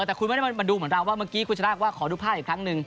แต่คุณไม่ได้มาดูเหมือนเราว่าเมื่อกี้คุณชนะว่าขอดูภาพอีกครั้งหนึ่ง